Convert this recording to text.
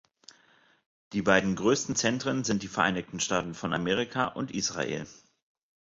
Die beiden größten Zentren sind die Vereinigten Staaten von Amerika und Israel.